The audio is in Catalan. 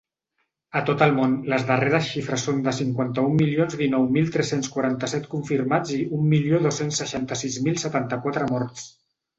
A tot el món, les darreres xifres són de cinquanta-un milions dinou mil tres-cents quaranta-set confirmats i un milió dos-cents seixanta-sis mil setanta-quatre morts.